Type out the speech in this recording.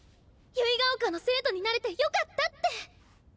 結ヶ丘の生徒になれてよかったって！